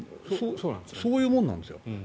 そういうものなんですよ。